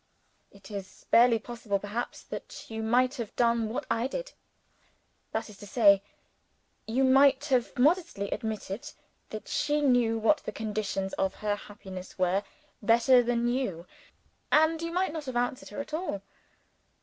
It is barely possible, perhaps, that you might have done what I did. That is to say: You might have modestly admitted that she knew what the conditions of her happiness were better than you and you might not have answered her at all!